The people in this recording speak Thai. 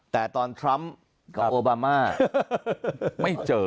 แต่ตอนทรัมป์กับโอบามาไม่เจอ